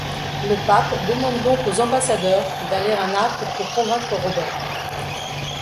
Le pape demande donc aux ambassadeurs d'aller à Naples pour convaincre Robert.